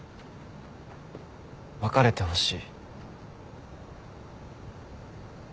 別れてほしい。